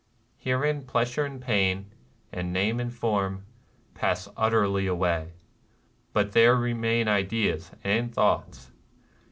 Herein pleasure and pain, and name and form, pass utterly away. But there re main ideas and thoughts.